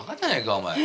お前。